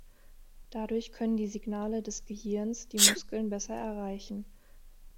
Dadurch können die Signale des Gehirns die Muskeln besser erreichen.